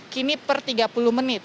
kini per tiga puluh menit